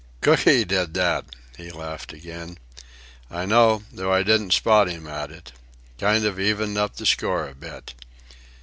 "Cooky did that," he laughed again. "I know, though I didn't spot him at it. Kind of evened up the score a bit."